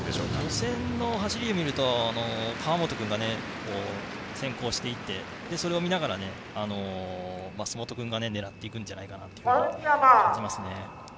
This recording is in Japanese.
予選の走りを見ると川元君が先行していってそれを見ながら、松本君が狙っていくんじゃないかと。